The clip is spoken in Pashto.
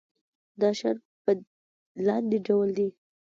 دا شیان په لاندې ډول دي.